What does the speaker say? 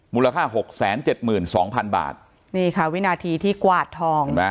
มูลค่า๖๗๒๐๐๐บาทนี่ค่ะวินาทีที่กวาดทอง